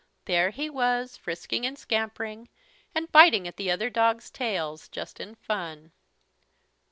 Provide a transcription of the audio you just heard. There he was, frisking and scampering and biting at the other dogs' tails, just in fun.